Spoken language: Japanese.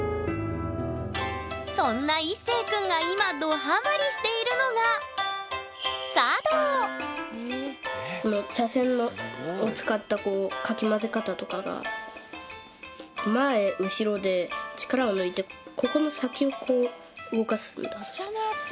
そんないっせい君が今どハマりしているのがこの茶筅を使ったかき混ぜ方とかが前後ろで力を抜いてここの先をこう動かすんだそうです。